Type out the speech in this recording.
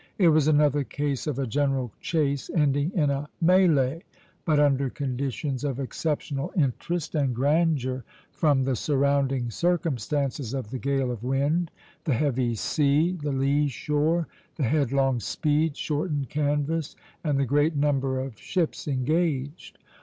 It was another case of a general chase ending in a mêlée, but under conditions of exceptional interest and grandeur from the surrounding circumstances of the gale of wind, the heavy sea, the lee shore, the headlong speed, shortened canvas, and the great number of ships engaged.